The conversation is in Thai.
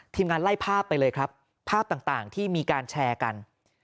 งานไล่ภาพไปเลยครับภาพต่างที่มีการแชร์กัน